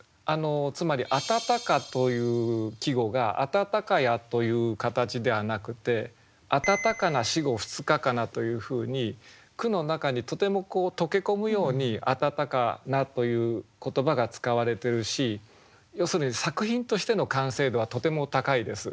つまり「あたたか」という季語が「あたたかや」という形ではなくて「あたたかな死後二日かな」というふうに句の中にとても溶け込むように「あたたかな」という言葉が使われてるし要するに作品としての完成度はとても高いです。